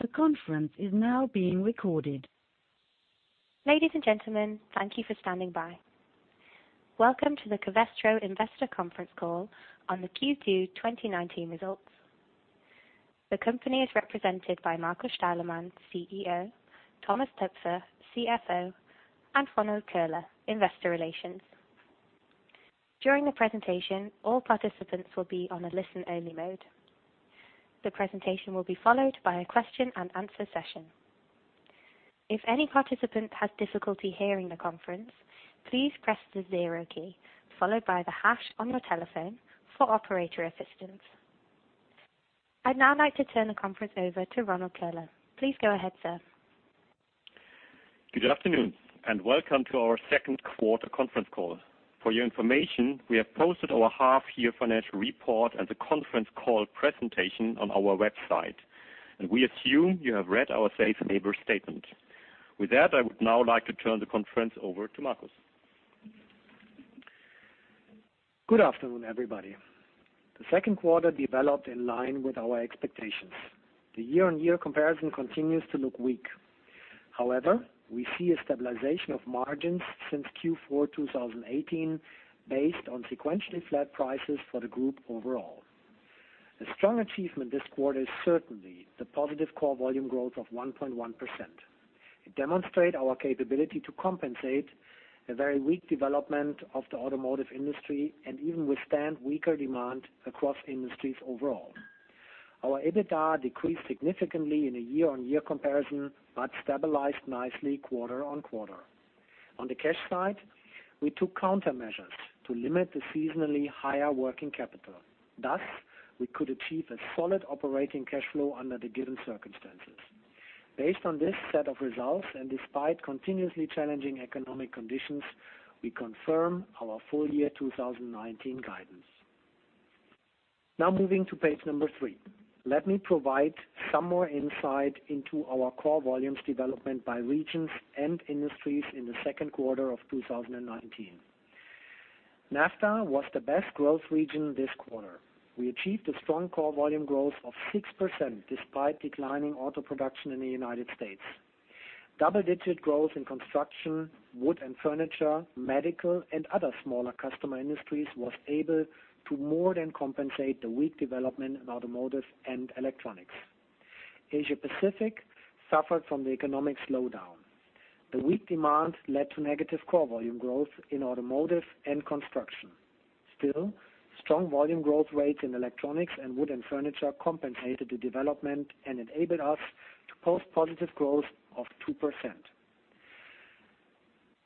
Ladies and gentlemen, thank you for standing by. Welcome to the Covestro Investor Conference Call on the Q2 2019 results. The company is represented by Markus Steilemann, CEO, Thomas Toepfer, CFO, and Ronald Köhler, investor relations. During the presentation, all participants will be on a listen-only mode. The presentation will be followed by a question and answer session. If any participant has difficulty hearing the conference, please press the zero key followed by the hash on your telephone for operator assistance. I'd now like to turn the conference over to Ronald Köhler. Please go ahead, sir. Good afternoon, and welcome to our second quarter conference call. For your information, we have posted our half-year financial report and the conference call presentation on our website, and we assume you have read our safe harbor statement. With that, I would now like to turn the conference over to Markus. Good afternoon, everybody. The second quarter developed in line with our expectations. The year-on-year comparison continues to look weak. However, we see a stabilization of margins since Q4 2018 based on sequentially flat prices for the group overall. A strong achievement this quarter is certainly the positive core volume growth of 1.1%. It demonstrate our capability to compensate a very weak development of the automotive industry and even withstand weaker demand across industries overall. Our EBITDA decreased significantly in a year-on-year comparison, but stabilized nicely quarter-on-quarter. On the cash side, we took countermeasures to limit the seasonally higher working capital. Thus, we could achieve a solid operating cash flow under the given circumstances. Based on this set of results, and despite continuously challenging economic conditions, we confirm our full year 2019 guidance. Now moving to page number 3. Let me provide some more insight into our core volumes development by regions and industries in the second quarter of 2019. NAFTA was the best growth region this quarter. We achieved a strong core volume growth of 6% despite declining auto production in the United States. Double-digit growth in construction, wood and furniture, medical, and other smaller customer industries was able to more than compensate the weak development in automotive and electronics. Asia-Pacific suffered from the economic slowdown. The weak demand led to negative core volume growth in automotive and construction. Still, strong volume growth rates in electronics and wood and furniture compensated the development and enabled us to post positive growth of 2%.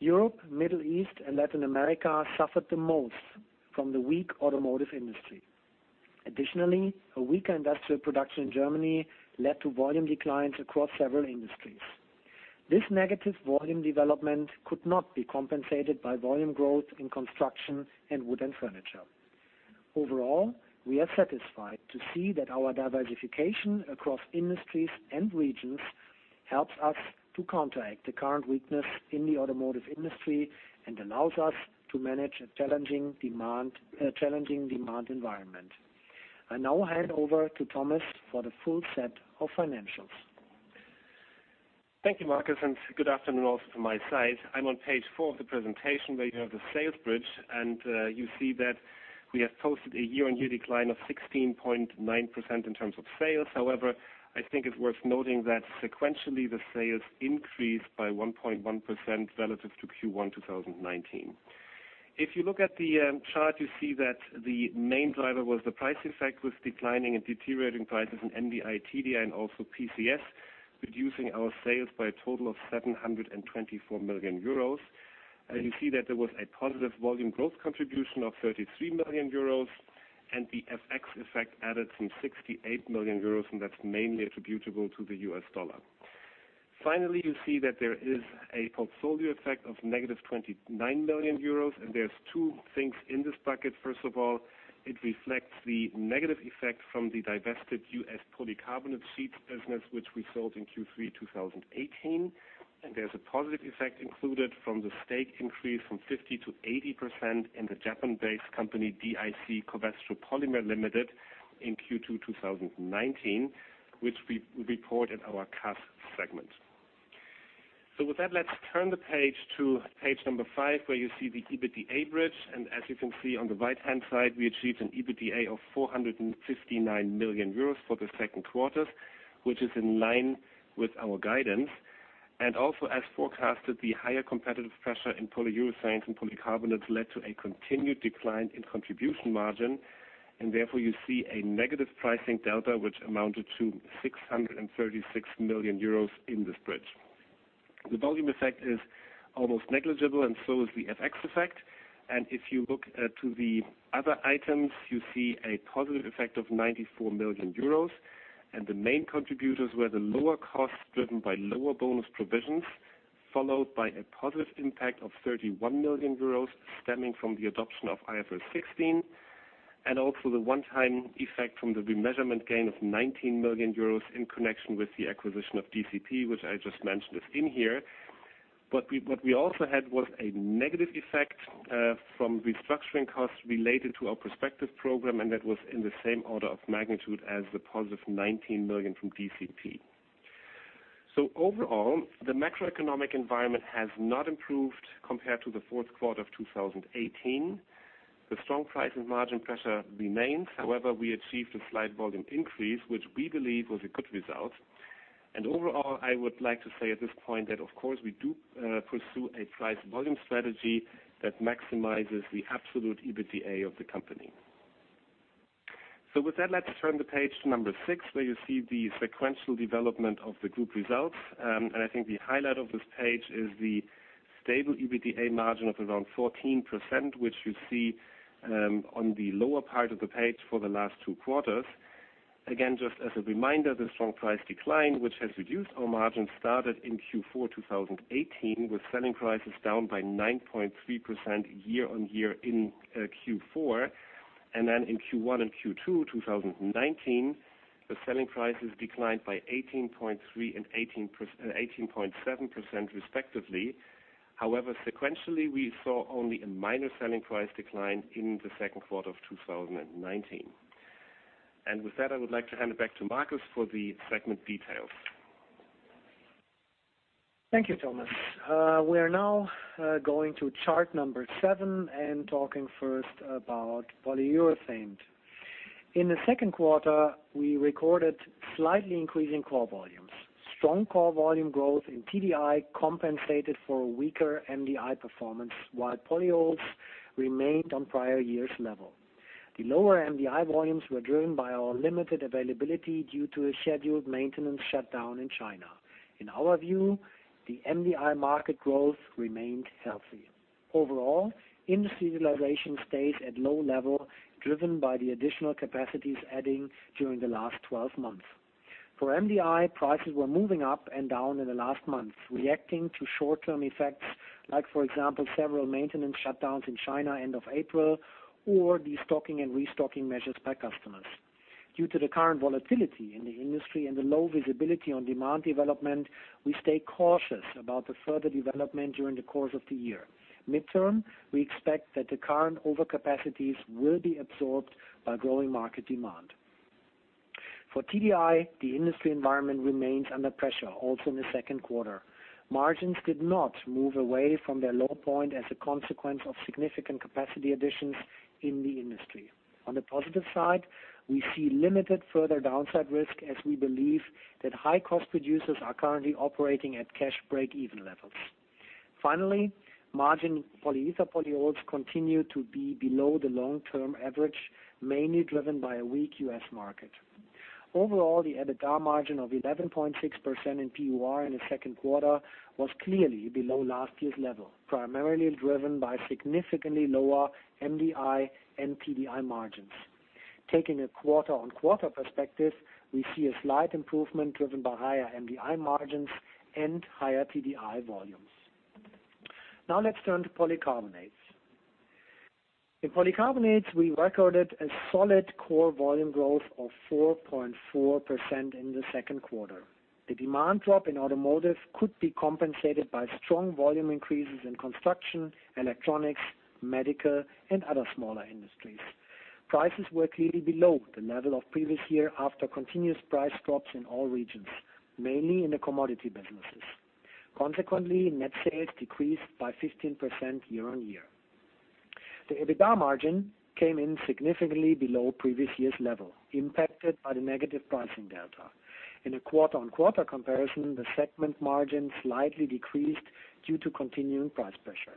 Europe, Middle East, and Latin America suffered the most from the weak automotive industry. Additionally, a weaker industrial production in Germany led to volume declines across several industries. This negative volume development could not be compensated by volume growth in construction and wood and furniture. Overall, we are satisfied to see that our diversification across industries and regions helps us to counteract the current weakness in the automotive industry and allows us to manage a challenging demand environment. I now hand over to Thomas for the full set of financials. Thank you, Markus, good afternoon also from my side. I'm on page four of the presentation where you have the sales bridge, and you see that we have posted a year-over-year decline of 16.9% in terms of sales. However, I think it's worth noting that sequentially, the sales increased by 1.1% relative to Q1 2019. If you look at the chart, you see that the main driver was the price effect, with declining and deteriorating prices in MDI, TDI, and also PCS, reducing our sales by a total of 724 million euros. You see that there was a positive volume growth contribution of 33 million euros, and the FX effect added some 68 million euros, and that's mainly attributable to the US dollar. Finally, you see that there is a portfolio effect of negative 29 million euros, and there's two things in this bucket. First of all, it reflects the negative effect from the divested US polycarbonate sheets business, which we sold in Q3 2018, and there's a positive effect included from the stake increase from 50% to 80% in the Japan-based company, DIC Covestro Polymer Ltd. in Q2 2019, which we report in our CAS segment. With that, let's turn the page to page five, where you see the EBITDA bridge. As you can see on the right-hand side, we achieved an EBITDA of 459 million euros for the second quarter, which is in line with our guidance. Also, as forecasted, the higher competitive pressure in polyurethanes and polycarbonates led to a continued decline in contribution margin, and therefore you see a negative pricing delta, which amounted to 636 million euros in this bridge. The volume effect is almost negligible, and so is the FX effect. If you look to the other items, you see a positive effect of 94 million euros. The main contributors were the lower costs driven by lower bonus provisions, followed by a positive impact of 31 million euros stemming from the adoption of IFRS 16, and also the one-time effect from the remeasurement gain of 19 million euros in connection with the acquisition of DCP, which I just mentioned is in here. What we also had was a negative effect from restructuring costs related to our Perspective program, and that was in the same order of magnitude as the positive 19 million from DCP. Overall, the macroeconomic environment has not improved compared to the fourth quarter of 2018. The strong price and margin pressure remains. However, we achieved a slight volume increase, which we believe was a good result. Overall, I would like to say at this point that, of course, we do pursue a price volume strategy that maximizes the absolute EBITDA of the company. With that, let's turn the page to number six, where you see the sequential development of the group results. I think the highlight of this page is the stable EBITDA margin of around 14%, which you see on the lower part of the page for the last two quarters. Again, just as a reminder, the strong price decline, which has reduced our margins, started in Q4 2018, with selling prices down by 9.3% year-on-year in Q4. Then in Q1 and Q2 2019, the selling prices declined by 18.3% and 18.7% respectively. However, sequentially, we saw only a minor selling price decline in the second quarter of 2019. With that, I would like to hand it back to Markus for the segment details. Thank you, Thomas. We are now going to chart number seven and talking first about polyurethane. In the second quarter, we recorded slightly increasing core volumes. Strong core volume growth in TDI compensated for weaker MDI performance, while polyols remained on prior year's level. The lower MDI volumes were driven by our limited availability due to a scheduled maintenance shutdown in China. In our view, the MDI market growth remained healthy. Overall, industry utilization stays at low level, driven by the additional capacities adding during the last 12 months. For MDI, prices were moving up and down in the last month, reacting to short-term effects, like for example, several maintenance shutdowns in China end of April, or destocking and restocking measures by customers. Due to the current volatility in the industry and the low visibility on demand development, we stay cautious about the further development during the course of the year. Midterm, we expect that the current overcapacities will be absorbed by growing market demand. For TDI, the industry environment remains under pressure, also in the second quarter. Margins did not move away from their low point as a consequence of significant capacity additions in the industry. On the positive side, we see limited further downside risk as we believe that high-cost producers are currently operating at cash break-even levels. Finally, margin polyether polyols continue to be below the long-term average, mainly driven by a weak U.S. market. Overall, the EBITDA margin of 11.6% in PUR in the second quarter was clearly below last year's level, primarily driven by significantly lower MDI and TDI margins. Taking a quarter-on-quarter perspective, we see a slight improvement driven by higher MDI margins and higher TDI volumes. Now let's turn to polycarbonates. In polycarbonates, we recorded a solid core volume growth of 4.4% in the second quarter. The demand drop in automotive could be compensated by strong volume increases in construction, electronics, medical, and other smaller industries. Prices were clearly below the level of previous year after continuous price drops in all regions, mainly in the commodity businesses. Consequently, net sales decreased by 15% year-on-year. The EBITDA margin came in significantly below previous year's level, impacted by the negative pricing delta. In a quarter-on-quarter comparison, the segment margin slightly decreased due to continuing price pressure.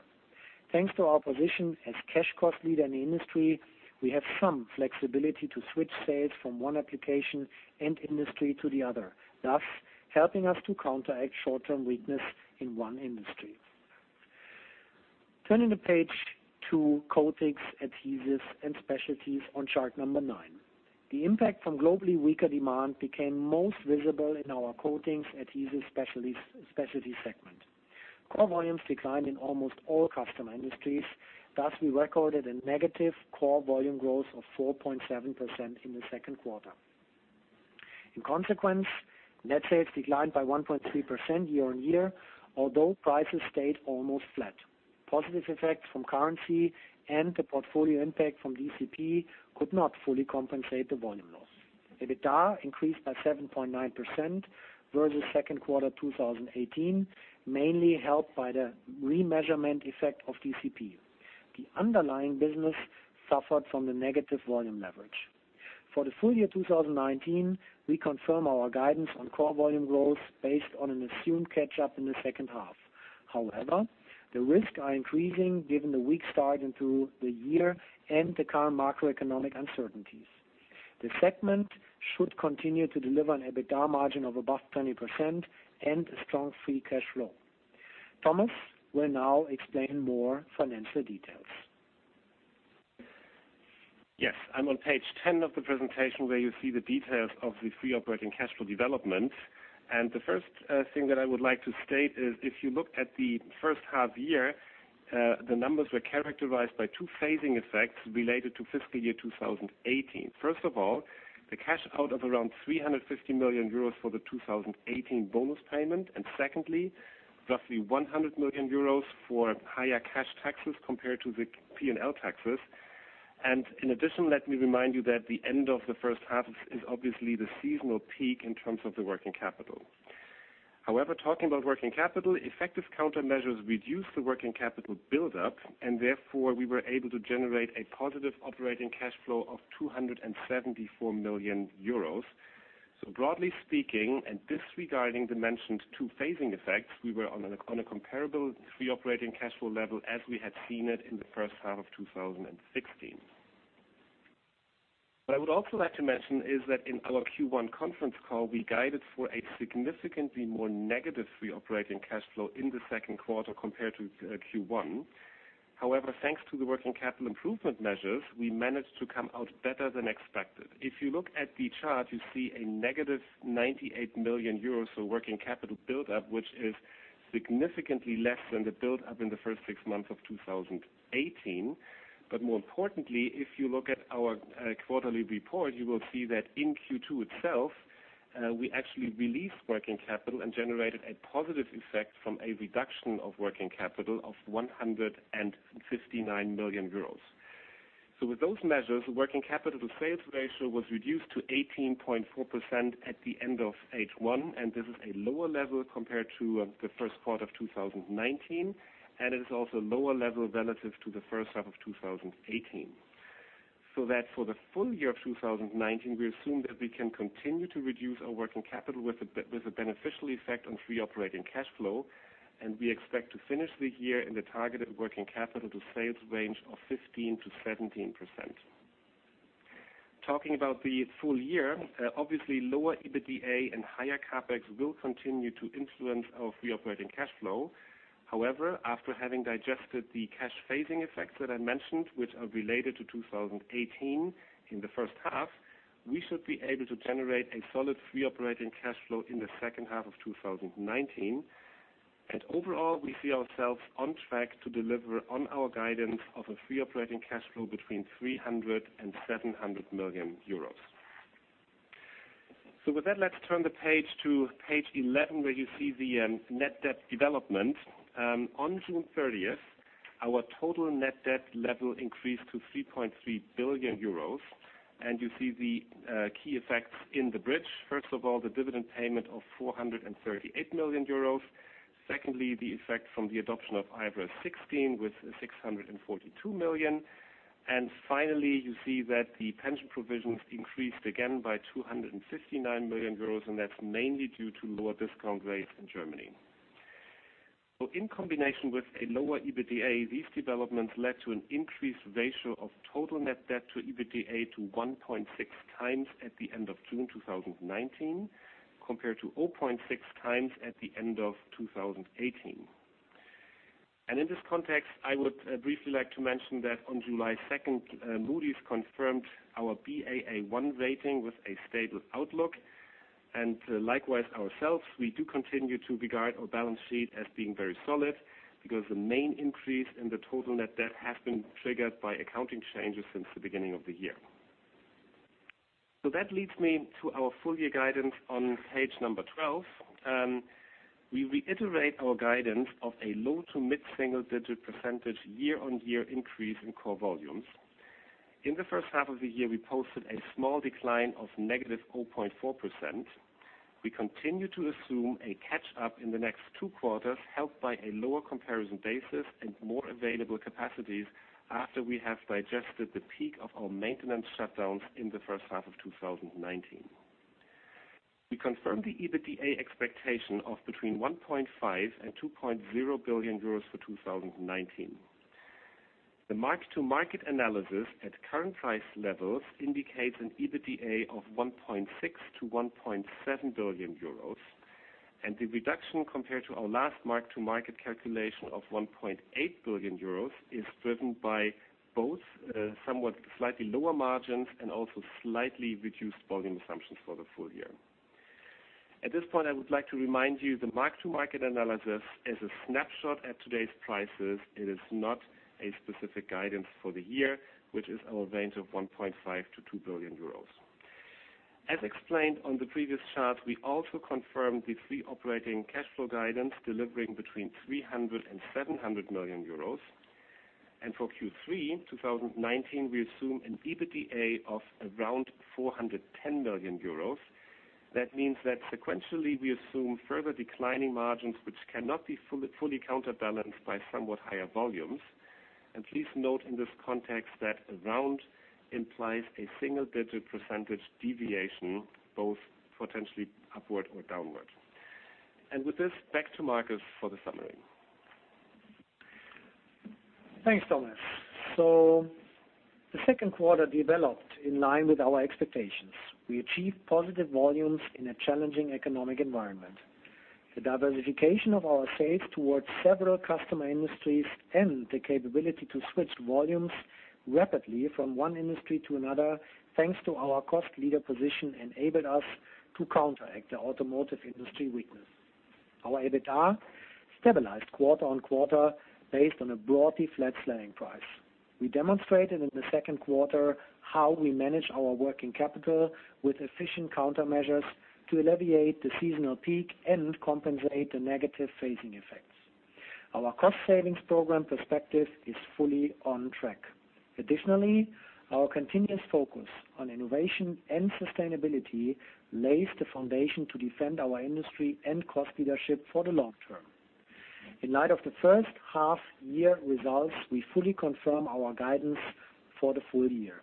Thanks to our position as cash cost leader in the industry, we have some flexibility to switch sales from one application and industry to the other, thus helping us to counteract short-term weakness in one industry. Turning the page to coatings, adhesives, and specialties on chart number nine. The impact from globally weaker demand became most visible in our coatings, adhesives specialty segment. Core volumes declined in almost all customer industries. Thus, we recorded a negative core volume growth of 4.7% in the second quarter. In consequence, net sales declined by 1.3% year-on-year, although prices stayed almost flat. Positive effects from currency and the portfolio impact from DCP could not fully compensate the volume loss. EBITDA increased by 7.9% versus second quarter 2018, mainly helped by the remeasurement effect of DCP. The underlying business suffered from the negative volume leverage. For the full year 2019, we confirm our guidance on core volume growth based on an assumed catch-up in the second half. However, the risks are increasing given the weak start into the year and the current macroeconomic uncertainties. The segment should continue to deliver an EBITDA margin of above 20% and a strong free cash flow. Thomas will now explain more financial details. Yes, I'm on page 10 of the presentation where you see the details of the free operating cash flow development. The first thing that I would like to state is if you look at the first half-year. The numbers were characterized by two phasing effects related to fiscal year 2018. First of all, the cash out of around 350 million euros for the 2018 bonus payment, and secondly, roughly 100 million euros for higher cash taxes compared to the P&L taxes. In addition, let me remind you that the end of the first half is obviously the seasonal peak in terms of the working capital. Talking about working capital, effective countermeasures reduced the working capital buildup, and therefore, we were able to generate a positive operating cash flow of 274 million euros. Broadly speaking, and disregarding the mentioned two phasing effects, we were on a comparable free operating cash flow level as we had seen it in the first half of 2016. What I would also like to mention is that in our Q1 conference call, we guided for a significantly more negative free operating cash flow in the second quarter compared to Q1. Thanks to the working capital improvement measures, we managed to come out better than expected. If you look at the chart, you see a negative 98 million euros for working capital buildup, which is significantly less than the buildup in the first six months of 2018. More importantly, if you look at our quarterly report, you will see that in Q2 itself, we actually released working capital and generated a positive effect from a reduction of working capital of 159 million euros. With those measures, the working capital to sales ratio was reduced to 18.4% at the end of H1. This is a lower level compared to the first quarter of 2019. It is also a lower level relative to the first half of 2018. For the full year of 2019, we assume that we can continue to reduce our working capital with a beneficial effect on free operating cash flow. We expect to finish the year in the targeted working capital to sales range of 15%-17%. Talking about the full year, obviously, lower EBITDA and higher CapEx will continue to influence our free operating cash flow. However, after having digested the cash phasing effects that I mentioned, which are related to 2018 in the first half, we should be able to generate a solid free operating cash flow in the second half of 2019. Overall, we see ourselves on track to deliver on our guidance of a free operating cash flow between 300 million euros and 700 million euros. With that, let's turn the page to page 11, where you see the net debt development. On June 30th, our total net debt level increased to 3.3 billion euros, and you see the key effects in the bridge. First of all, the dividend payment of 438 million euros. Secondly, the effect from the adoption of IFRS 16 with 642 million. Finally, you see that the pension provisions increased again by 259 million euros, and that's mainly due to lower discount rates in Germany. In combination with a lower EBITDA, these developments led to an increased ratio of total net debt to EBITDA to 1.6 times at the end of June 2019, compared to 0.6 times at the end of 2018. In this context, I would briefly like to mention that on July 2nd, Moody's confirmed our Baa1 rating with a stable outlook. Likewise, ourselves, we do continue to regard our balance sheet as being very solid because the main increase in the total net debt has been triggered by accounting changes since the beginning of the year. That leads me to our full-year guidance on page number 12. We reiterate our guidance of a low to mid-single digit percentage year-on-year increase in core volumes. In the first half of the year, we posted a small decline of negative 0.4%. We continue to assume a catch-up in the next two quarters, helped by a lower comparison basis and more available capacities after we have digested the peak of our maintenance shutdowns in the first half of 2019. We confirm the EBITDA expectation of between 1.5 billion and 2.0 billion euros for 2019. The mark-to-market analysis at current price levels indicates an EBITDA of 1.6 billion-1.7 billion euros, the reduction compared to our last mark-to-market calculation of 1.8 billion euros is driven by both somewhat slightly lower margins and also slightly reduced volume assumptions for the full year. At this point, I would like to remind you, the mark-to-market analysis is a snapshot at today's prices. It is not a specific guidance for the year, which is our range of 1.5 billion-2 billion euros. As explained on the previous chart, we also confirmed the free operating cash flow guidance, delivering between 300 million euros and 700 million euros. For Q3 2019, we assume an EBITDA of around 410 million euros. That means that sequentially, we assume further declining margins, which cannot be fully counterbalanced by somewhat higher volumes. Please note in this context that around implies a single-digit % deviation, both potentially upward or downward. With this, back to Markus for the summary. Thanks, Thomas. The second quarter developed in line with our expectations. We achieved positive volumes in a challenging economic environment. The diversification of our sales towards several customer industries and the capability to switch volumes rapidly from one industry to another, thanks to our cost leader position, enabled us to counteract the automotive industry weakness. Our EBITDA stabilized quarter-on-quarter based on a broadly flat selling price. We demonstrated in the second quarter how we manage our working capital with efficient countermeasures to alleviate the seasonal peak and compensate the negative phasing effects. Our Perspective program is fully on track. Additionally, our continuous focus on innovation and sustainability lays the foundation to defend our industry and cost leadership for the long term. In light of the first half year results, we fully confirm our guidance for the full year.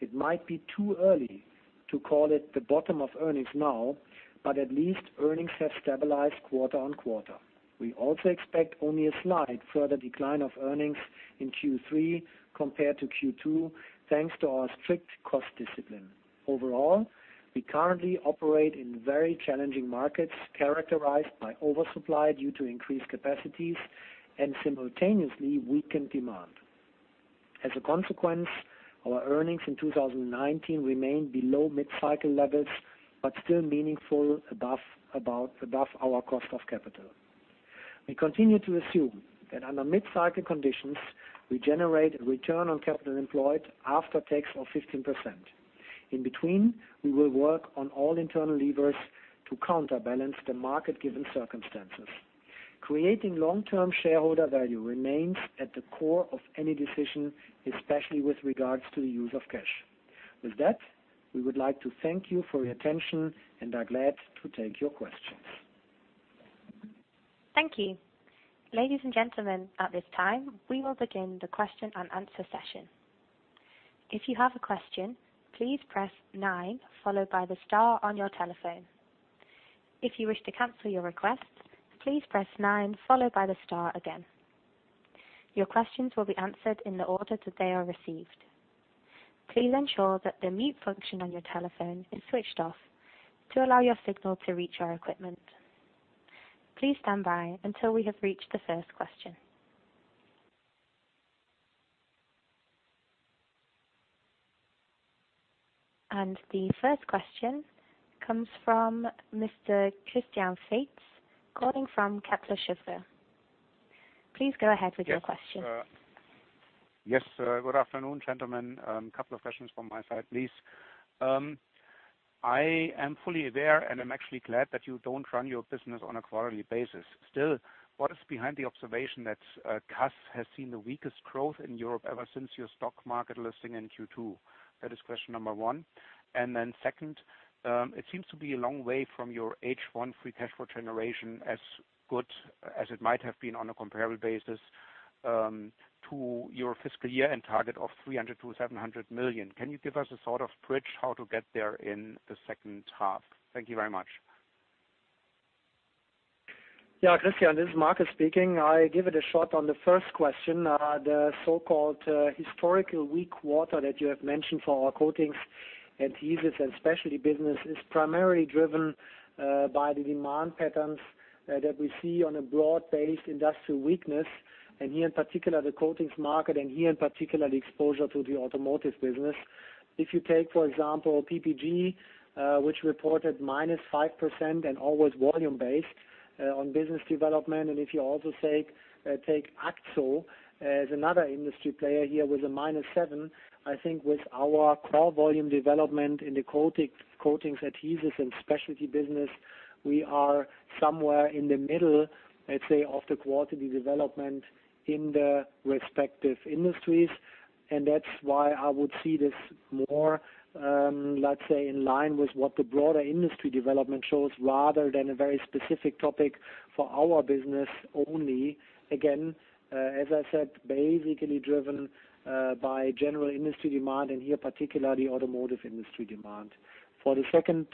It might be too early to call it the bottom of earnings now, but at least earnings have stabilized quarter on quarter. We also expect only a slight further decline of earnings in Q3 compared to Q2 thanks to our strict cost discipline. Overall, we currently operate in very challenging markets characterized by oversupply due to increased capacities and simultaneously weakened demand. As a consequence, our earnings in 2019 remain below mid-cycle levels, but still meaningful above our cost of capital. We continue to assume that under mid-cycle conditions, we generate a return on capital employed after tax of 15%. In between, we will work on all internal levers to counterbalance the market-given circumstances. Creating long-term shareholder value remains at the core of any decision, especially with regards to the use of cash. With that, we would like to thank you for your attention and are glad to take your questions. Thank you. Ladies and gentlemen, at this time, we will begin the question and answer session. If you have a question, please press nine followed by the star on your telephone. If you wish to cancel your request, please press nine followed by the star again. Your questions will be answered in the order that they are received. Please ensure that the mute function on your telephone is switched off to allow your signal to reach our equipment. Please stand by until we have reached the first question. The first question comes from Mr. Christian Faitz calling from Kepler Cheuvreux. Please go ahead with your question. Yes, good afternoon, gentlemen. Couple of questions from my side, please. I am fully aware, and I'm actually glad that you don't run your business on a quarterly basis. Still, what is behind the observation that CAS has seen the weakest growth in Europe ever since your stock market listing in Q2? That is question number one. Second, it seems to be a long way from your H1 free cash flow generation as good as it might have been on a comparable basis to your fiscal year-end target of 300 million-700 million. Can you give us a sort of bridge how to get there in the second half? Thank you very much. Yeah, Christian, this is Markus speaking. I give it a shot on the first question. The so-called historical weak quarter that you have mentioned for our coatings, adhesives, and specialty business is primarily driven by the demand patterns that we see on a broad-based industrial weakness, and here in particular, the coatings market, and here in particular, the exposure to the automotive business. If you take, for example, PPG, which reported minus 5% and always volume-based on business development, and if you also take AkzoNobel as another industry player here with a minus seven, I think with our core volume development in the coatings, adhesives, and specialty business, we are somewhere in the middle, let's say, of the quarterly development in the respective industries. That's why I would see this more, let's say, in line with what the broader industry development shows rather than a very specific topic for our business only. Again, as I said, basically driven by general industry demand and here particularly automotive industry demand. For the second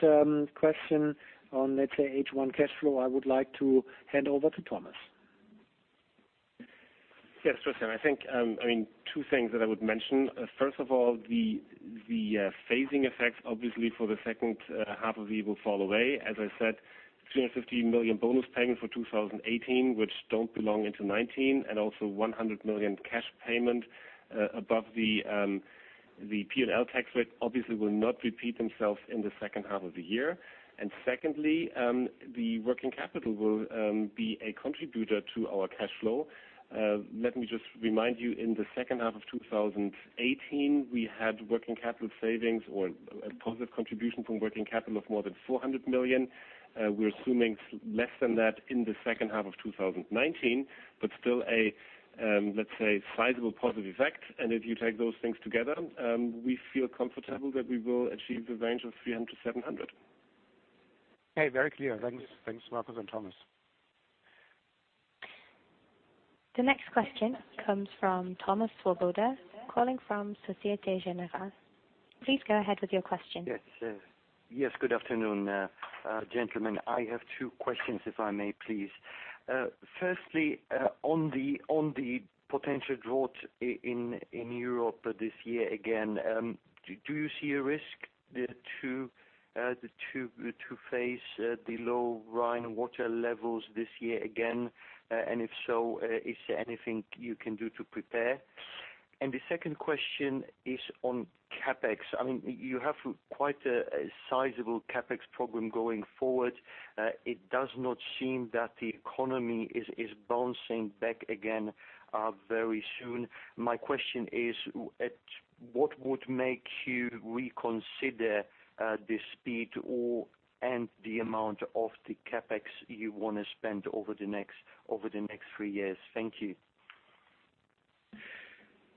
question on, let's say H1 cash flow, I would like to hand over to Thomas. Yes, Christian, I think, two things that I would mention. First of all, the phasing effects obviously for the second half of the year will fall away. As I said, 350 million bonus payment for 2018, which don't belong into 2019, and also 100 million cash payment above the P&L tax rate obviously will not repeat themselves in the second half of the year. Secondly, the working capital will be a contributor to our cash flow. Let me just remind you, in the second half of 2018, we had working capital savings or a positive contribution from working capital of more than 400 million. We're assuming less than that in the second half of 2019, but still a, let's say, sizable positive effect. If you take those things together, we feel comfortable that we will achieve the range of 300-700. Okay. Very clear. Thanks, Markus and Thomas. The next question comes from Thomas Swoboda, calling from Société Générale. Please go ahead with your question. Yes. Good afternoon, gentlemen. I have two questions, if I may please. Firstly, on the potential drought in Europe this year again, do you see a risk there to face the low Rhine water levels this year again? If so, is there anything you can do to prepare? The second question is on CapEx. You have quite a sizable CapEx problem going forward. It does not seem that the economy is bouncing back again very soon. My question is, what would make you reconsider the speed or/and the amount of the CapEx you want to spend over the next three years? Thank you.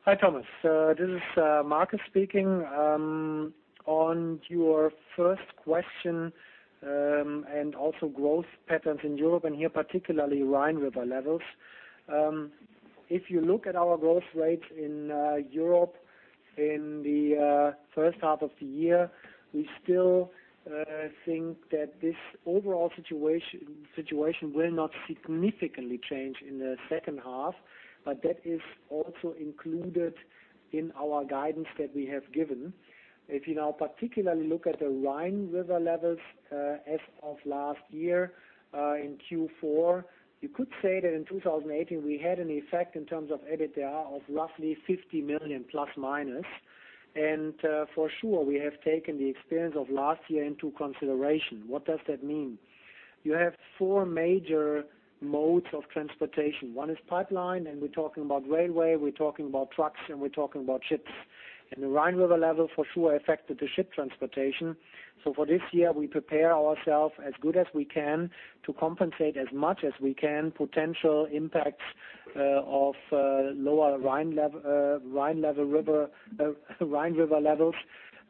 Hi, Thomas. This is Markus speaking. On your first question, and also growth patterns in Europe, and here, particularly Rhine River levels. If you look at our growth rates in Europe in the first half of the year, we still think that this overall situation will not significantly change in the second half, but that is also included in our guidance that we have given. If you now particularly look at the Rhine River levels, as of last year in Q4, you could say that in 2018, we had an effect in terms of EBITDA of roughly 50 million, plus, minus. For sure, we have taken the experience of last year into consideration. What does that mean? You have four major modes of transportation. One is pipeline, and we're talking about railway, we're talking about trucks, and we're talking about ships. The Rhine River level for sure affected the ship transportation. For this year, we prepare ourself as good as we can to compensate as much as we can potential impacts of lower Rhine River levels.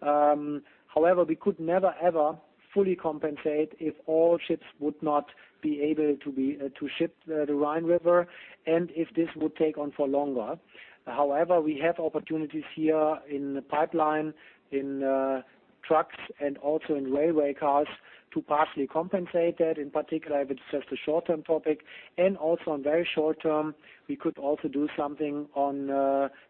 However, we could never, ever fully compensate if all ships would not be able to ship the Rhine River and if this would take on for longer. However, we have opportunities here in pipeline, in trucks, and also in railway cars to partially compensate that, in particular, if it's just a short-term topic. Also on very short term, we could also do something on,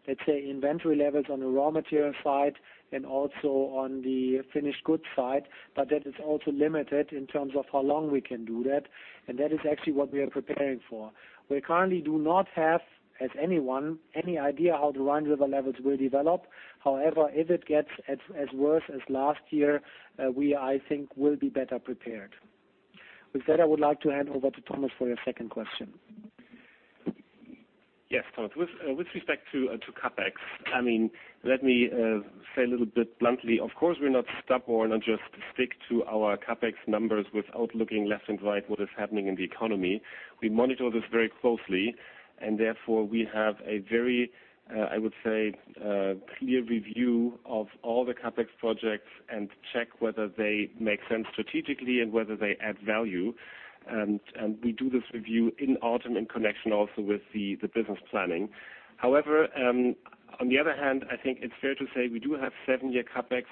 let's say, inventory levels on the raw material side and also on the finished goods side, but that is also limited in terms of how long we can do that, and that is actually what we are preparing for. We currently do not have, as anyone, any idea how the Rhine River levels will develop. However, if it gets as worse as last year, we, I think, will be better prepared. With that, I would like to hand over to Thomas for your second question. Yes, Thomas. With respect to CapEx, let me say a little bit bluntly. Of course, we're not stubborn and just stick to our CapEx numbers without looking left and right what is happening in the economy. We monitor this very closely and therefore we have a very, I would say, clear review of all the CapEx projects and check whether they make sense strategically and whether they add value. We do this review in autumn in connection also with the business planning. However, on the other hand, I think it's fair to say we do have seven-year CapEx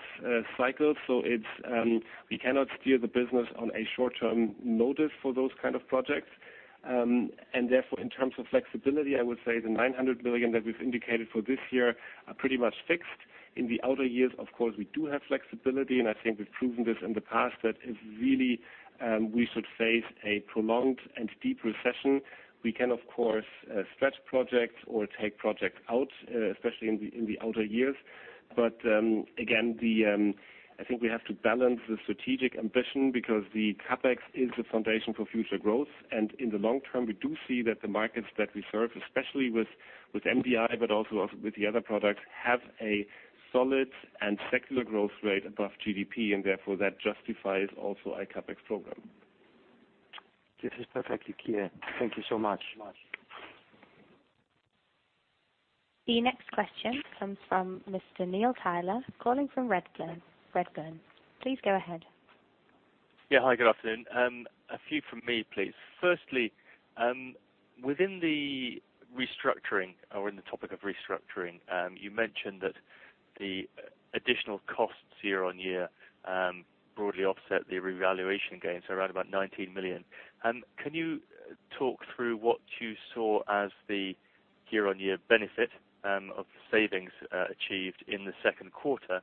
cycles. We cannot steer the business on a short-term notice for those kind of projects. Therefore, in terms of flexibility, I would say the 900 million that we've indicated for this year are pretty much fixed. In the outer years, of course, we do have flexibility, and I think we've proven this in the past that if really we should face a prolonged and deep recession, we can, of course, stretch projects or take projects out, especially in the outer years. Again, I think we have to balance the strategic ambition because the CapEx is the foundation for future growth. In the long term, we do see that the markets that we serve, especially with MDI, but also with the other products, have a solid and secular growth rate above GDP, and therefore that justifies also a CapEx program. This is perfectly clear. Thank you so much. The next question comes from Mr. Neil Tyler calling from Redburn. Please go ahead. Yeah. Hi, good afternoon. A few from me, please. Firstly, within the restructuring or in the topic of restructuring, you mentioned that the additional costs year-on-year broadly offset the revaluation gains, so around about 19 million. Can you talk through what you saw as the year-on-year benefit of the savings achieved in the second quarter,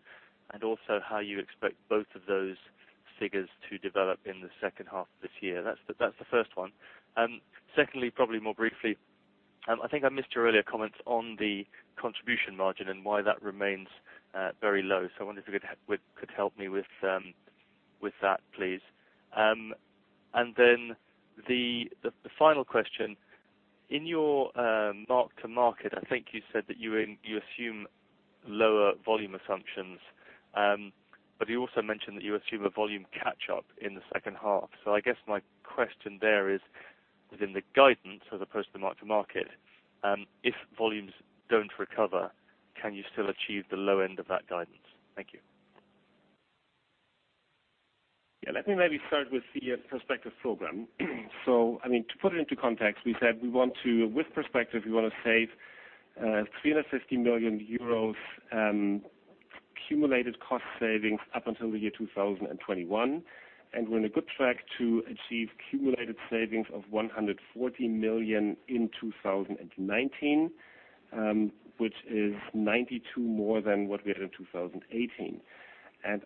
and also how you expect both of those figures to develop in the second half of this year? That's the first one. Secondly, probably more briefly, I think I missed your earlier comments on the contribution margin and why that remains very low. I wonder if you could help me with that, please. The final question. In your mark-to-market, I think you said that you assume lower volume assumptions. You also mentioned that you assume a volume catch-up in the second half. I guess my question there is within the guidance as opposed to mark-to-market, if volumes don't recover, can you still achieve the low end of that guidance? Thank you. Yeah, let me maybe start with the Perspective program. To put it into context, we said with Perspective, we want to save 350 million euros cumulative cost savings up until the year 2021. We're on a good track to achieve cumulative savings of 140 million in 2019, which is 92 more than what we had in 2018.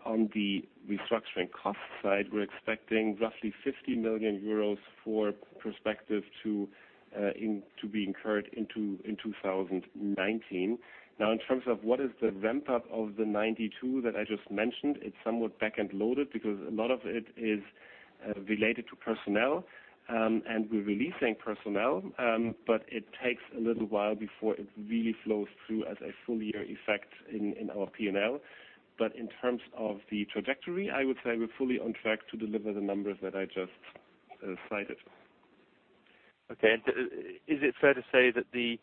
On the restructuring cost side, we're expecting roughly 50 million euros for Perspective to be incurred in 2019. In terms of what is the ramp-up of the 92 that I just mentioned, it's somewhat back-end loaded because a lot of it is related to personnel. We're releasing personnel, but it takes a little while before it really flows through as a full year effect in our P&L. In terms of the trajectory, I would say we're fully on track to deliver the numbers that I just cited. Okay. Is it fair to say that the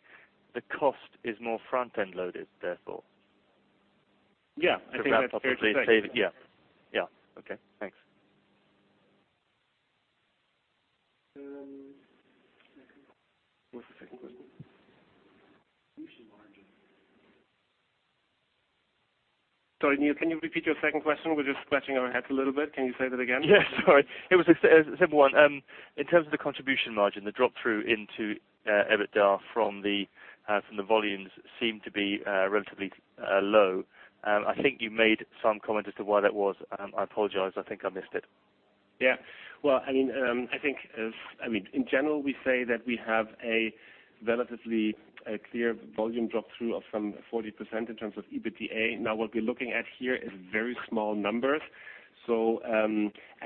cost is more front-end loaded, therefore? Yeah, I think that's fair to say. Yeah. Okay, thanks. What was the second question? Contribution margin. Sorry, Neil, can you repeat your second question? We're just scratching our heads a little bit. Can you say that again? Yeah, sorry. It was a simple one. In terms of the contribution margin, the drop-through into EBITDA from the volumes seem to be relatively low. I think you made some comment as to why that was. I apologize, I think I missed it. Yeah. I think, in general, we say that we have a relatively clear volume drop-through of some 40% in terms of EBITDA. What we're looking at here is very small numbers.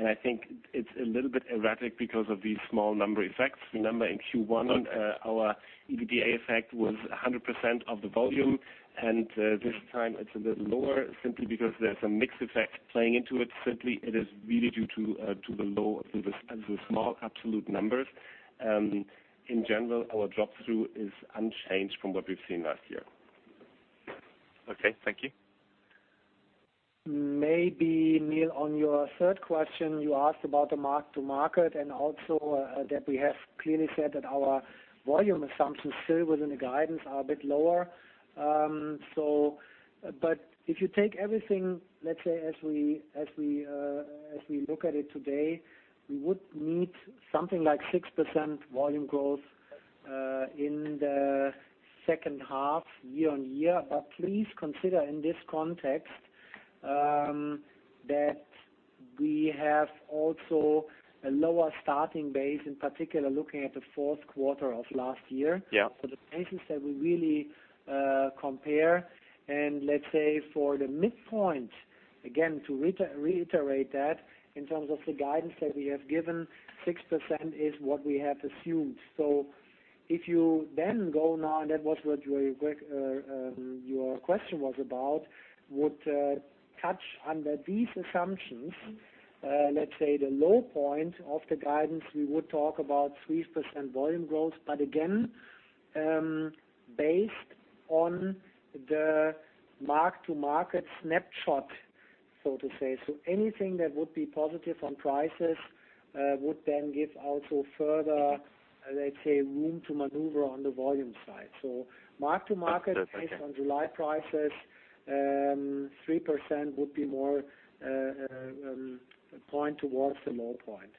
I think it's a little bit erratic because of these small number effects. Remember, in Q1, our EBITDA effect was 100% of the volume, and this time it's a bit lower simply because there's a mix effect playing into it. Simply, it is really due to the low, the small absolute numbers. In general, our drop-through is unchanged from what we've seen last year. Okay, thank you. Maybe, Neil, on your third question, you asked about the mark-to-market and also that we have clearly said that our volume assumptions still within the guidance are a bit lower. If you take everything, let's say, as we look at it today, we would need something like 6% volume growth in the second half year-on-year. Please consider in this context, that we have also a lower starting base, in particular, looking at the fourth quarter of last year. Yeah. The places that we really compare and, let's say, for the midpoint, again, to reiterate that in terms of the guidance that we have given, 6% is what we have assumed. If you then go now, and that was what your question was about, would touch under these assumptions, let's say the low point of the guidance, we would talk about 3% volume growth. Again, based on the mark-to-market snapshot, so to say. Anything that would be positive on prices would then give also further, let's say, room to maneuver on the volume side. Understood. Thank you. based on July prices, 3% would be more point towards the low point.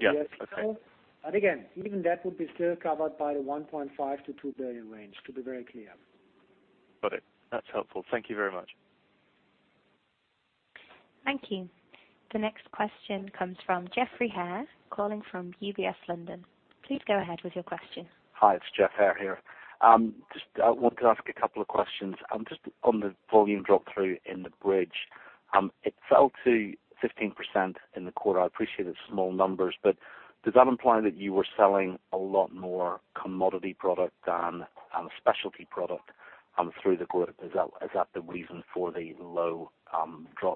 Yeah. Okay. Again, even that would be still covered by the 1.5 billion-2 billion range to be very clear. Got it. That's helpful. Thank you very much. Thank you. The next question comes from Geoff Haire, calling from UBS London. Please go ahead with your question. Hi, it's Geoff Haire here. Just wanted to ask a couple of questions. Just on the volume drop-through in the bridge. It fell to 15% in the quarter. I appreciate it's small numbers, but does that imply that you were selling a lot more commodity product than a specialty product through the quarter? Is that the reason for the low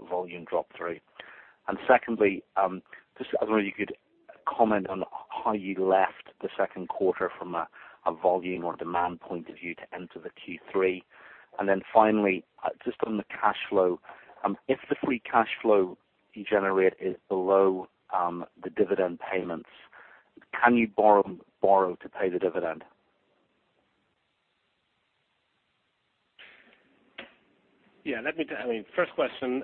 volume drop-through? Secondly, just I don't know if you could comment on how you left the second quarter from a volume or demand point of view to enter the Q3. Finally, just on the cash flow, if the free cash flow you generate is below the dividend payments, can you borrow to pay the dividend? Yeah. First question.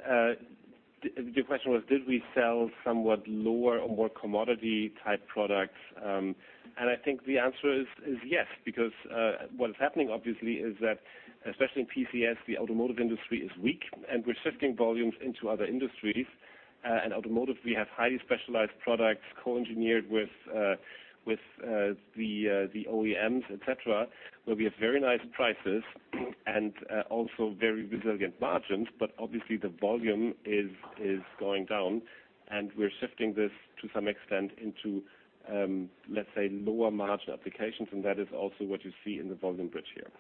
The question was did we sell somewhat lower or more commodity-type products? I think the answer is yes. What is happening obviously is that, especially in PCS, the automotive industry is weak, and we're shifting volumes into other industries. In automotive we have highly specialized products co-engineered with the OEMs, et cetera, where we have very nice prices and also very resilient margins. Obviously the volume is going down and we're shifting this to some extent into, let's say, lower margin applications. That is also what you see in the volume bridge here.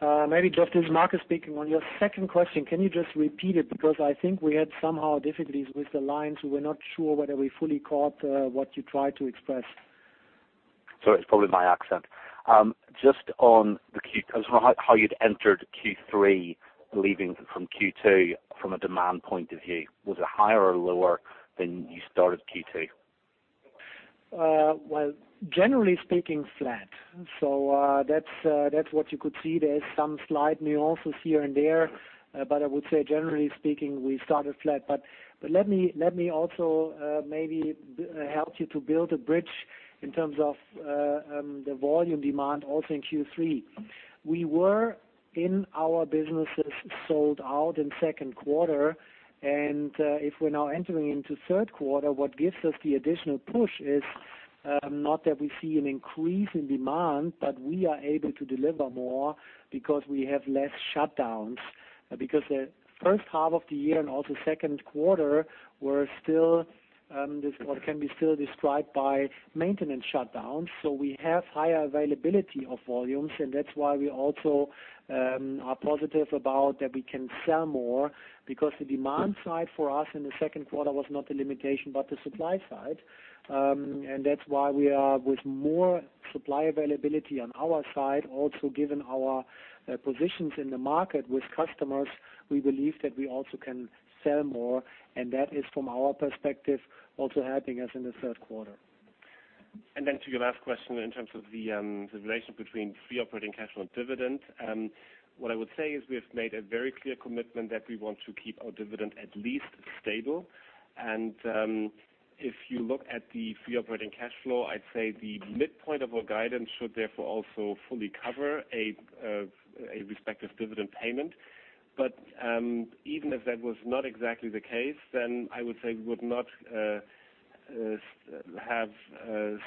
Maybe, Geoff, this is Markus speaking. On your second question, can you just repeat it? I think we had somehow difficulties with the line, so we're not sure whether we fully caught what you tried to express. Sorry. It's probably my accent. Just on how you'd entered Q3, leaving from Q2 from a demand point of view. Was it higher or lower than you started Q2? Well, generally speaking, flat. That's what you could see. There is some slight nuances here and there, but I would say, generally speaking, we started flat. Let me also maybe help you to build a bridge in terms of the volume demand also in Q3. We were, in our businesses, sold out in second quarter, and if we're now entering into third quarter, what gives us the additional push is not that we see an increase in demand, but we are able to deliver more because we have less shutdowns. Because the first half of the year and also second quarter can be still described by maintenance shutdowns. We have higher availability of volumes, and that's why we also are positive about that we can sell more because the demand side for us in the second quarter was not the limitation, but the supply side. That's why we are with more supply availability on our side, also given our positions in the market with customers, we believe that we also can sell more, and that is, from our perspective, also helping us in the third quarter. Then to your last question, in terms of the relation between free operating cash flow and dividend. What I would say is we have made a very clear commitment that we want to keep our dividend at least stable. If you look at the free operating cash flow, I'd say the midpoint of our guidance should therefore also fully cover a respective dividend payment. Even if that was not exactly the case, then I would say we would not have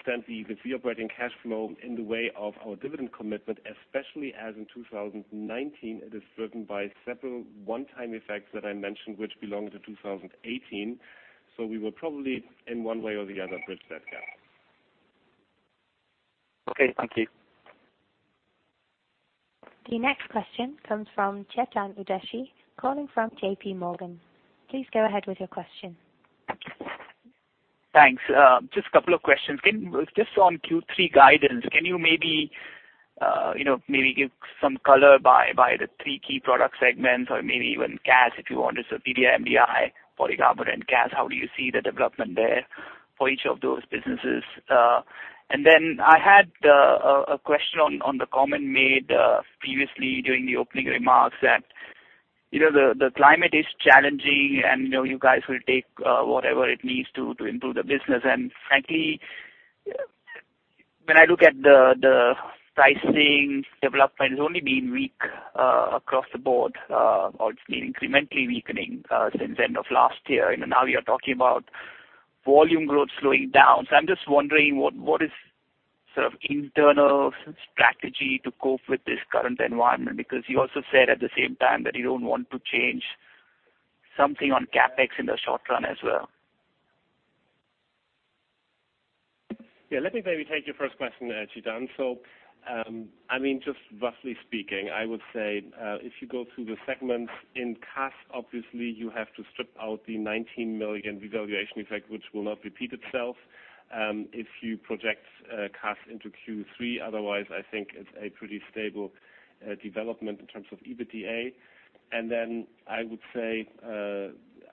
stamped the free operating cash flow in the way of our dividend commitment, especially as in 2019, it is driven by several one-time effects that I mentioned, which belong to 2018. We will probably, in one way or the other, bridge that gap. Okay, thank you. The next question comes from Chetan Udeshi, calling from JPMorgan. Please go ahead with your question. Thanks. Just a couple of questions. Just on Q3 guidance, can you maybe give some color by the three key product segments or maybe even CAS, if you want, so TDI, MDI, polycarbonate, CAS, how do you see the development there for each of those businesses? I had a question on the comment made previously during the opening remarks that the climate is challenging and you guys will take whatever it needs to improve the business. Frankly, when I look at the pricing development, it's only been weak across the board or it's been incrementally weakening since the end of last year. Now you're talking about volume growth slowing down. I'm just wondering what is sort of internal strategy to cope with this current environment? You also said at the same time that you don't want to change something on CapEx in the short run as well. Yeah, let me maybe take your first question, Chetan. Just roughly speaking, I would say if you go through the segments in CAS, obviously you have to strip out the 19 million revaluation effect, which will not repeat itself. If you project CAS into Q3, otherwise, I think it's a pretty stable development in terms of EBITDA. I would say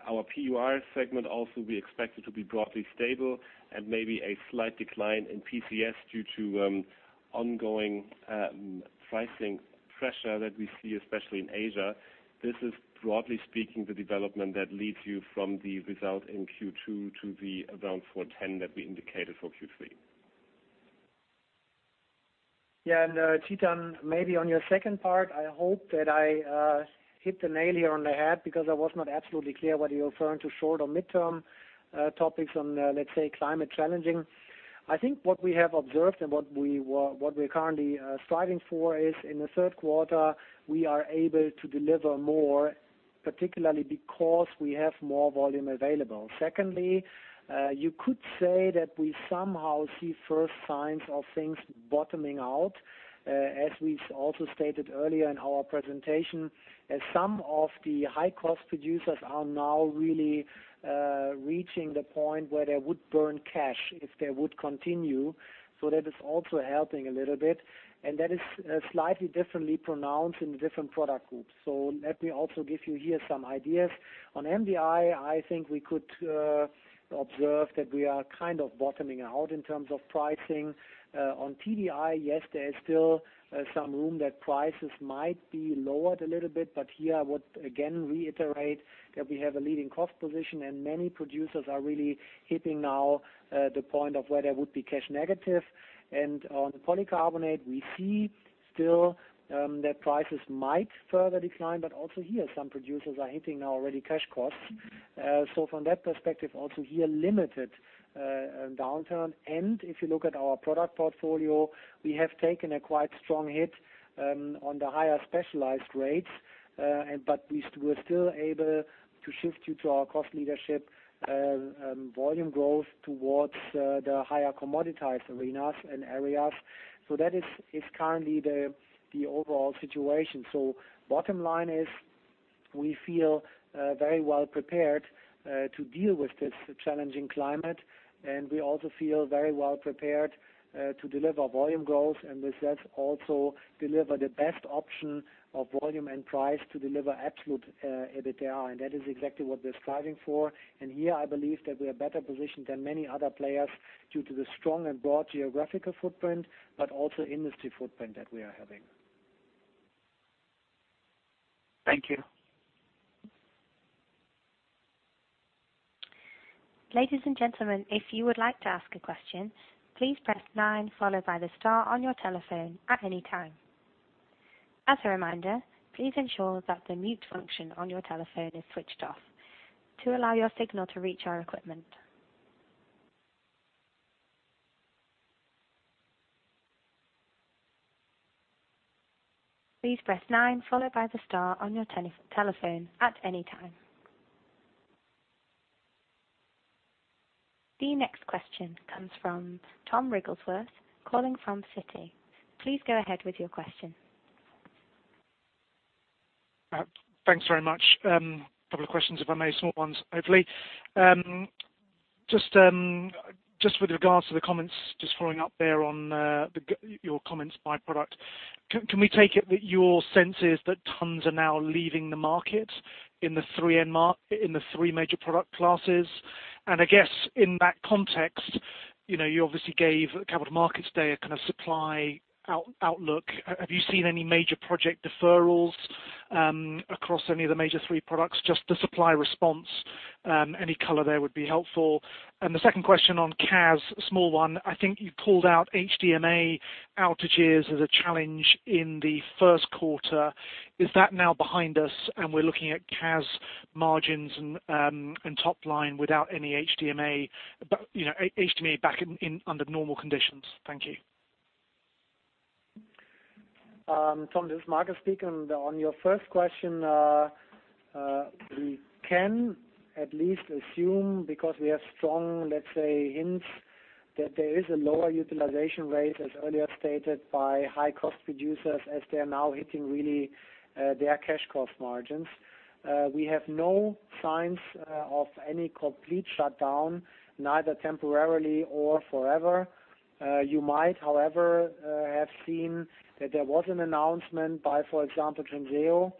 our PUR segment also, we expect it to be broadly stable and maybe a slight decline in PCS due to ongoing pricing pressure that we see, especially in Asia. This is, broadly speaking, the development that leads you from the result in Q2 to the around 410 that we indicated for Q3. Chetan Udeshi, maybe on your second part, I hope that I hit the nail here on the head because I was not absolutely clear whether you're referring to short or mid-term topics on, let's say, climate challenging. I think what we have observed and what we're currently striving for is in the third quarter, we are able to deliver more, particularly because we have more volume available. Secondly, you could say that we somehow see first signs of things bottoming out. As we also stated earlier in our presentation, some of the high-cost producers are now really reaching the point where they would burn cash if they would continue. That is also helping a little bit, and that is slightly differently pronounced in the different product groups. Let me also give you here some ideas. On MDI, I think we could observe that we are kind of bottoming out in terms of pricing. On TDI, yes, there is still some room that prices might be lowered a little bit, but here I would again reiterate that we have a leading cost position and many producers are really hitting now the point of where they would be cash negative. On the polycarbonate, we see still that prices might further decline. Also here, some producers are hitting already cash costs. From that perspective, also here, limited downturn. If you look at our product portfolio, we have taken a quite strong hit on the higher specialized rates. We're still able to shift due to our cost leadership volume growth towards the higher commoditized arenas and areas. That is currently the overall situation. Bottom line is we feel very well prepared to deal with this challenging climate, and we also feel very well prepared to deliver volume growth and with that, also deliver the best option of volume and price to deliver absolute EBITDA, and that is exactly what we're striving for. Here I believe that we are better positioned than many other players due to the strong and broad geographical footprint, but also industry footprint that we are having. Thank you. Ladies and gentlemen, if you would like to ask a question, please press nine followed by the star on your telephone at any time. As a reminder, please ensure that the mute function on your telephone is switched off to allow your signal to reach our equipment. Please press nine followed by the star on your telephone at any time. The next question comes from Tom Wrigglesworth calling from Citi. Please go ahead with your question. Thanks very much. Couple of questions, if I may. Small ones, hopefully. Just with regards to the comments, just following up there on your comments by product. Can we take it that your sense is that tons are now leaving the market in the three major product classes? I guess in that context, you obviously gave Capital Markets Day a kind of supply outlook. Have you seen any major project deferrals across any of the major three products, just the supply response? Any color there would be helpful. The second question on CAS, a small one. I think you called out HMDA outages as a challenge in the first quarter. Is that now behind us and we're looking at CAS margins and top line without any HMDA back under normal conditions? Thank you. Tom, this is Markus speaking. On your first question, we can at least assume, because we have strong hints that there is a lower utilization rate, as earlier stated by high-cost producers, as they are now hitting really their cash cost margins. We have no signs of any complete shutdown, neither temporarily or forever. You might, however, have seen that there was an announcement by, for example, Trinseo,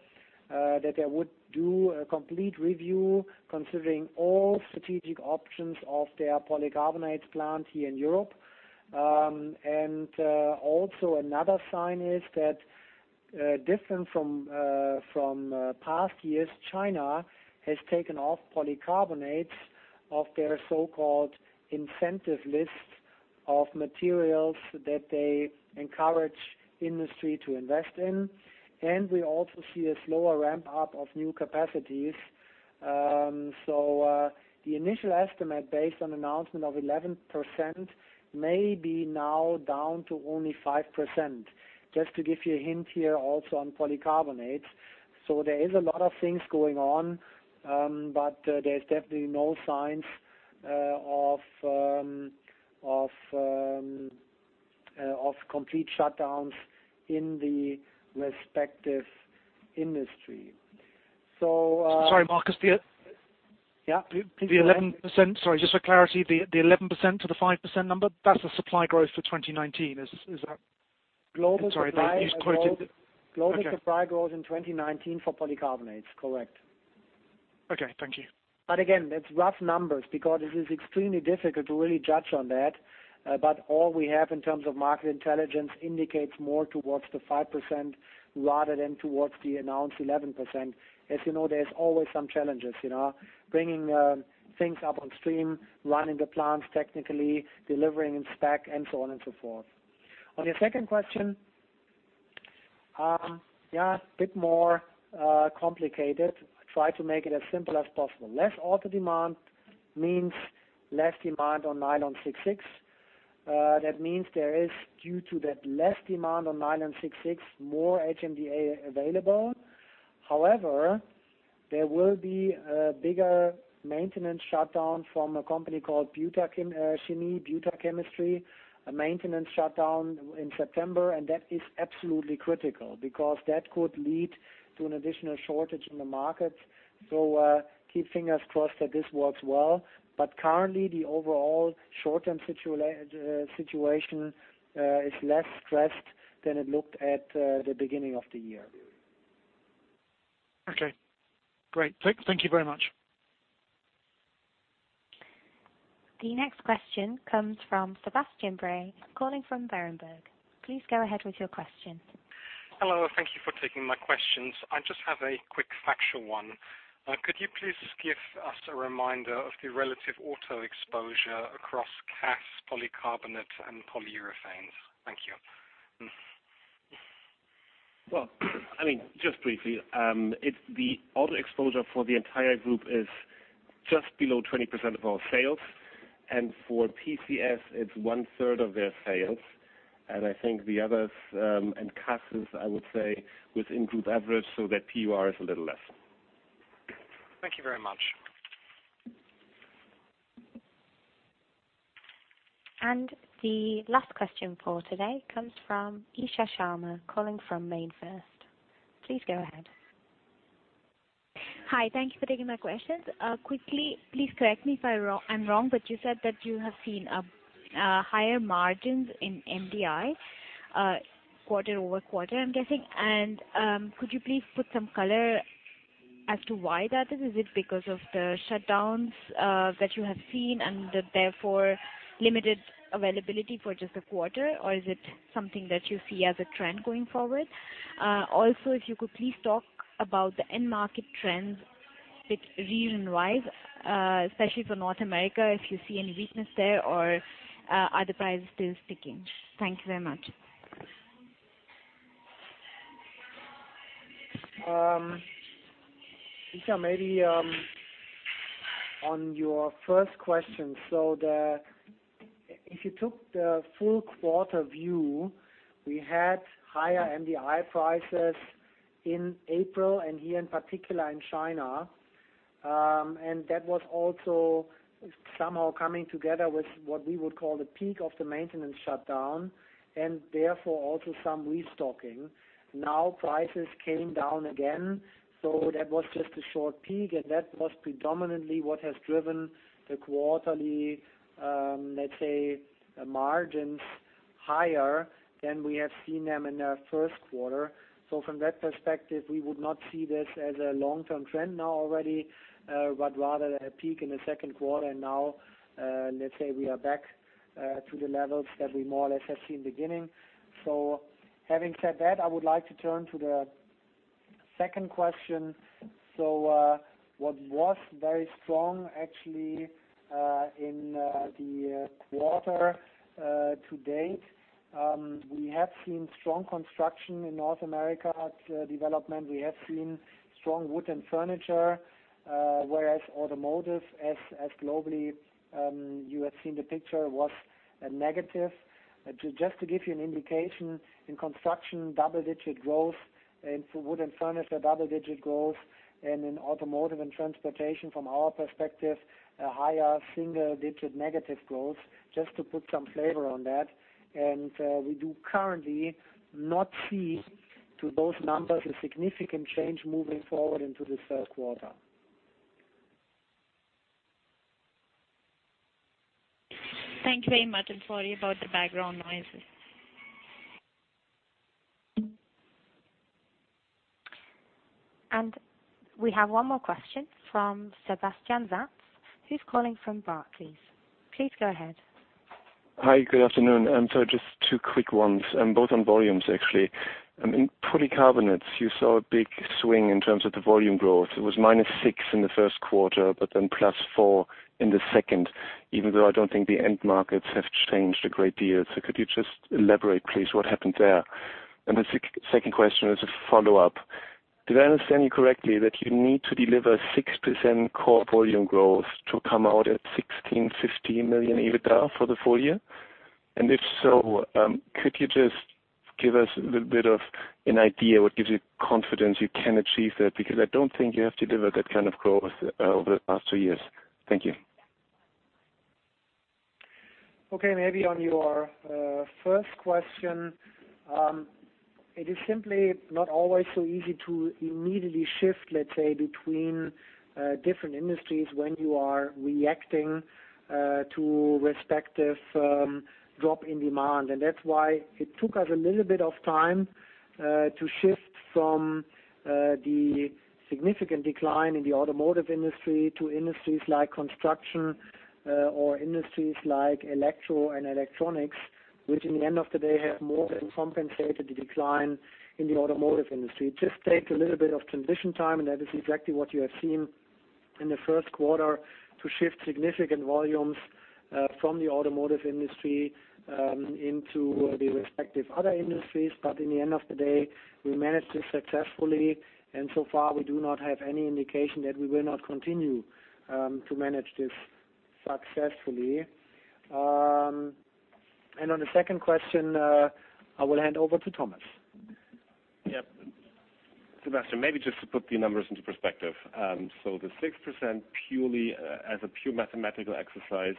that they would do a complete review considering all strategic options of their polycarbonate plant here in Europe. Also another sign is that different from past years, China has taken off polycarbonates of their so-called incentive list of materials that they encourage industry to invest in. We also see a slower ramp-up of new capacities. The initial estimate based on announcement of 11% may be now down to only 5%. Just to give you a hint here also on polycarbonates. There is a lot of things going on, but there's definitely no signs of complete shutdowns in the respective industry. Sorry, Markus. Yeah. The 11%, sorry, just for clarity, the 11% to the 5% number, that's the supply growth for 2019. Is that? Global supply- I'm sorry. Global supply growth in 2019 for polycarbonates. Correct. Okay. Thank you. Again, that's rough numbers because it is extremely difficult to really judge on that. All we have in terms of market intelligence indicates more towards the 5% rather than towards the announced 11%. As you know, there's always some challenges. Bringing things up on stream, running the plants technically, delivering in spec, and so on and so forth. On your second question. A bit more complicated. I try to make it as simple as possible. Less auto demand means less demand on nylon-6,6. That means there is, due to that less demand on nylon-6,6, more HMDA available. However, there will be a bigger maintenance shutdown from a company called Butachimie, a maintenance shutdown in September. That is absolutely critical because that could lead to an additional shortage in the market. Keep fingers crossed that this works well. Currently, the overall short-term situation is less stressed than it looked at the beginning of the year. Okay. Great. Thank you very much. The next question comes from Sebastian Bray, calling from Berenberg. Please go ahead with your question. Hello. Thank you for taking my questions. I just have a quick factual one. Could you please give us a reminder of the relative auto exposure across CAS polycarbonate and polyurethanes? Thank you. Well, just briefly. The auto exposure for the entire group is just below 20% of our sales. For PCS, it's one-third of their sales. I think the others, and CASs, I would say, with improved average, so that PUR is a little less. Thank you very much. The last question for today comes from Isha Sharma, calling from MainFirst. Please go ahead. Hi. Thank you for taking my questions. Quickly, please correct me if I'm wrong, but you said that you have seen higher margins in MDI quarter-over-quarter, I'm guessing. Could you please put some color as to why that is it because of the shutdowns that you have seen and therefore limited availability for just a quarter? Or is it something that you see as a trend going forward? If you could please talk about the end market trends region-wise, especially for North America, if you see any weakness there, or are the prices still sticking? Thank you very much. Isha, maybe on your first question. If you took the full quarter view, we had higher MDI prices in April and here, in particular, in China. That was also somehow coming together with what we would call the peak of the maintenance shutdown, and therefore also some restocking. Prices came down again. That was just a short peak, and that was predominantly what has driven the quarterly margins higher than we have seen them in the first quarter. From that perspective, we would not see this as a long-term trend now already, but rather a peak in the second quarter. Now, we are back to the levels that we more or less have seen beginning. Having said that, I would like to turn to the second question. What was very strong actually in the quarter to date, we have seen strong construction in North America at development. We have seen strong wood and furniture, whereas automotive, as globally, you have seen the picture was a negative. Just to give you an indication, in construction, double-digit growth, in wood and furniture, double-digit growth, and in automotive and transportation, from our perspective, a higher single-digit negative growth, just to put some flavor on that. We do currently not see to those numbers a significant change moving forward into the third quarter. Thank you very much. Sorry about the background noises. We have one more question from Sebastian Satz, who's calling from Barclays. Please go ahead. Hi, good afternoon. Just two quick ones, both on volumes. In polycarbonates, you saw a big swing in terms of the volume growth. It was -6 in the first quarter, +4 in the second, even though I don't think the end markets have changed a great deal. Could you just elaborate, please, what happened there? The second question is a follow-up. Did I understand you correctly that you need to deliver 6% core volume growth to come out at 1.5 billion-1.6 billion EBITDA for the full year? If so, could you just give us a little bit of an idea what gives you confidence you can achieve that? I don't think you have delivered that kind of growth over the past two years. Thank you. Okay, maybe on your first question. It is simply not always so easy to immediately shift, let's say, between different industries when you are reacting to respective drop in demand. That's why it took us a little bit of time to shift from the significant decline in the automotive industry to industries like construction or industries like electro and electronics, which in the end of the day have more than compensated the decline in the automotive industry. Just take a little bit of transition time, and that is exactly what you have seen in the first quarter to shift significant volumes from the automotive industry into the respective other industries. In the end of the day, we managed this successfully, and so far we do not have any indication that we will not continue to manage this successfully. On the second question, I will hand over to Thomas. Yep. Sebastian, maybe just to put the numbers into perspective. The 6%, as a pure mathematical exercise,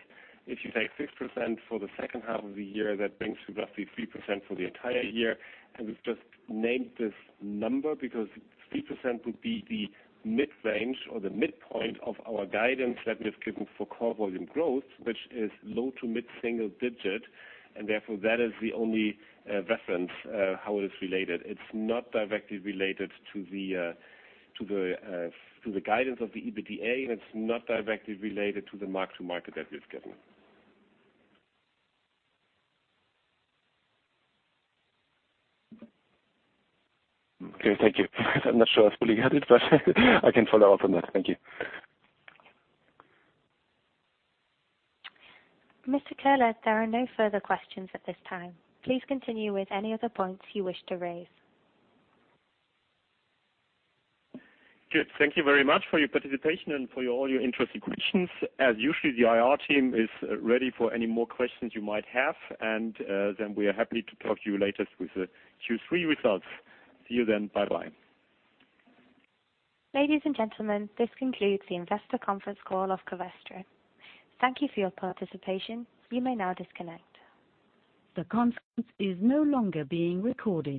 if you take 6% for the second half of the year, that brings you roughly 3% for the entire year. We've just named this number because 3% would be the mid-range or the midpoint of our guidance that we have given for core volume growth, which is low to mid single digit, and therefore that is the only reference how it is related. It's not directly related to the guidance of the EBITDA, and it's not directly related to the mark-to-market that we've given. Okay, thank you. I'm not sure I fully had it, but I can follow up on that. Thank you. Mr. Köhler, there are no further questions at this time. Please continue with any of the points you wish to raise. Good. Thank you very much for your participation and for all your interesting questions. As usual, the IR team is ready for any more questions you might have, and then we are happy to talk to you later with the Q3 results. See you then. Bye-bye. Ladies and gentlemen, this concludes the investor conference call of Covestro. Thank you for your participation. You may now disconnect. The conference is no longer being recorded.